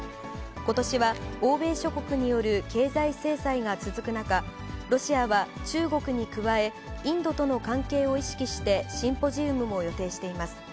ことしは欧米諸国による経済制裁が続く中、ロシアは中国に加え、インドとの関係を意識して、シンポジウムも予定しています。